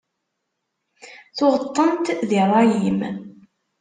Tuɣeḍ-tent di rray-im.